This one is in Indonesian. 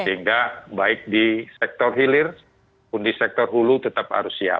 sehingga baik di sektor hilir pun di sektor hulu tetap harus siap